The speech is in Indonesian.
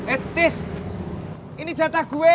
eh tis ini jatah gue